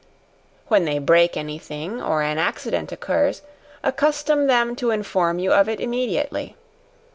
When they break any thing, or an accident occurs, accustom them to inform you of it immediately.